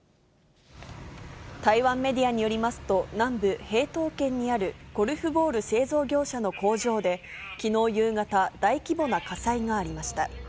台湾メディアによりますと、南部、屏東県にあるゴルフボール製造業者の工場で、きのう夕方、大規模な火災がありました。